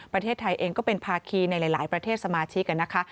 ประเทศไทยเองก็เป็นภาคีในหลายประเทศสมาชิกนะคะ